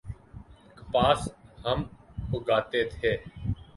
کپاس ہم اگاتے تھے۔